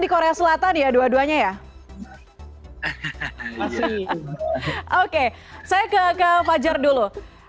oke saya ke fajar dulu